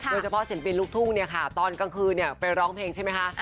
ศิลปินลูกทุ่งเนี่ยค่ะตอนกลางคืนไปร้องเพลงใช่ไหมคะ